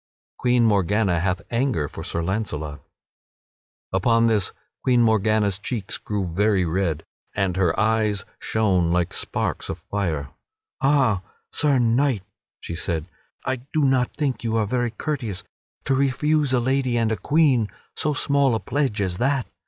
[Sidenote: Queen Morgana hath anger for Sir Launcelot] Upon this Queen Morgana's cheeks grew very red, and her eyes shone like sparks of fire. "Ha, Sir Knight," she said, "I do not think you are very courteous to refuse a lady and a queen so small a pledge as that.